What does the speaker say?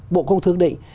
bộ công thức định